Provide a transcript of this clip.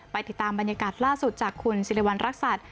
ติดตามบรรยากาศล่าสุดจากคุณสิริวัณรักษัตริย์